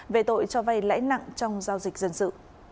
về tội cho vay lãi nặng trong giao dịch dân sự